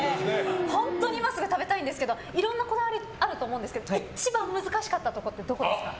本当に今すぐ食べたいんですけどいろんなこだわりあると思うんですけど一番難しかったところはどこですか？